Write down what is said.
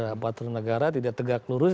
aparatur negara tidak tegak lurus